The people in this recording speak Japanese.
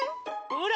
ほら！